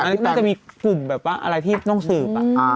น่าจะมีคุมอะไรที่ต้องสืบ